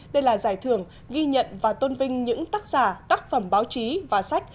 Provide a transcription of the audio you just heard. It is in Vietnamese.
đây là giải thưởng ghi nhận và tôn vinh những tác giả tác phẩm báo chí và sách